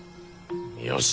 よし！